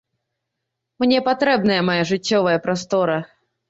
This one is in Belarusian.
Мне патрэбная мая жыццёвая прастора.